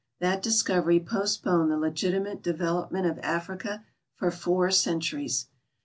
That discovery postponed the legitimate develop ment of Africa for four centuries.